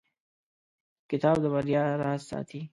کتاب د بریا راز ساتي.